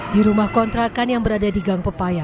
di rumah kontrakan yang berada di gang pepaya